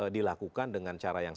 dilakukan dengan cara yang